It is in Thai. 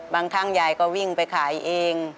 บางครั้งยายก็วิ่งไปขายเอง